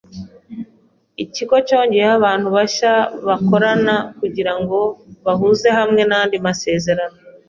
Ikigo cyongeyeho abantu bashya bakorana kugirango bahuze hamwe nandi masezerano.